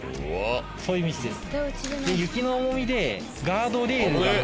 そういう道です